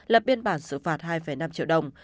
lập biên bản xử phạt hai năm triệu đồng